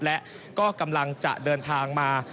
และก็กำลังจะเดินทางมา